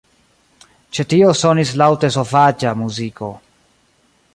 Ĉe tio sonis laŭte sovaĝa muziko.